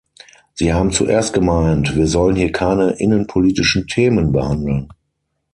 Sie haben zuerst gemeint, wir sollen hier keine innenpolitischen Themen behandeln.